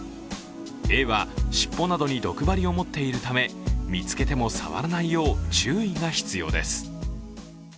エイは尻尾などに毒針を持っているため見つけても触らないよう、注意が必要です。